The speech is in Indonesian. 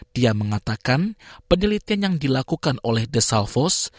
dia mengatakan penelitian yang dilakukan oleh the salvos